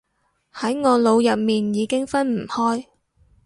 喺我腦入面已經分唔開